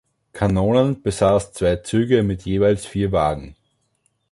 Kanonen besaß zwei Züge mit jeweils vier Wagen.